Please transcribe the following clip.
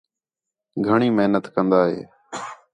گھݨیں محنت کندا ہِے